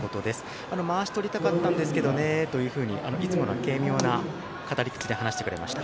まわしを取りたかったんですけどねといつもの軽妙な語り口で話してくれました。